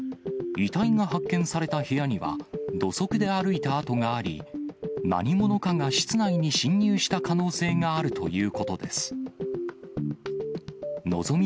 遺体が発見された部屋には、土足で歩いた跡があり、何者かが室内に侵入した可能性があるということです。